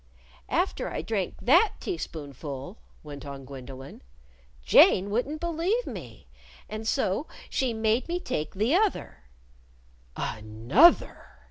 "After I drank that teaspoonful," went on Gwendolyn, "Jane wouldn't believe me. And so she made me take the other."